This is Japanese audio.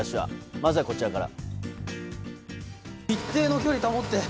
まずは、こちらから。